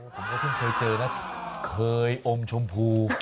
ผมก็เพิ่งเคยเจอนะเคยอมชมพู